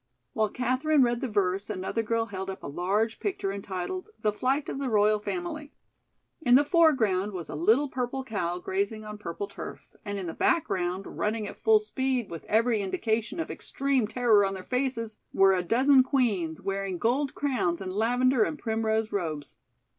'" While Katherine read the verse, another girl held up a large picture entitled "The Flight of the Royal Family." In the foreground was a little purple cow grazing on purple turf, and in the background, running at full speed, with every indication of extreme terror on their faces, were a dozen queens, wearing gold crowns and lavender and primrose robes.